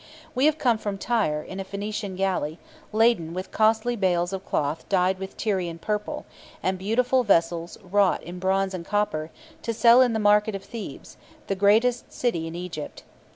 We have come from Tyre in a Phoenician galley, laden with costly bales of cloth dyed with Tyrian purple, and beautiful vessels wrought in bronze and copper, to sell in the markets of Thebes, the greatest city in Egypt.